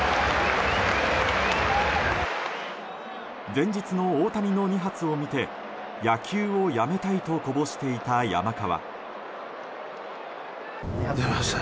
前日の大谷の２発を見て野球をやめたいとこぼしていた山川。